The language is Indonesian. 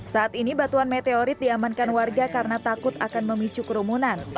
saat ini batuan meteorit diamankan warga karena takut akan memicu kerumunan